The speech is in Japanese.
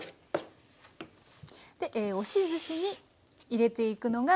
押しずしに入れていくのが。